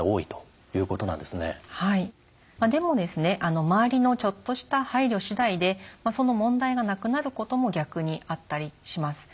でも周りのちょっとした配慮次第でその問題がなくなることも逆にあったりします。